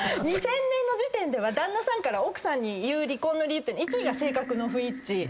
２０００年の時点では旦那さんから奥さんに言う離婚の理由って１位が性格の不一致。